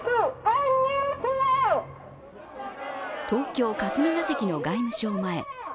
東京・霞が関の外務省前。